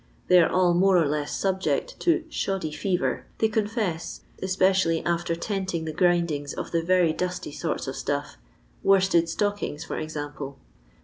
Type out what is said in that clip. They are all more or less subject to ' shoddy fever,* they con fess, especially after tenting the grinding of the very dusty sorts of stufi" — worsted stockings, for example.